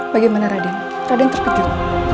bagaimana raden raden terkejut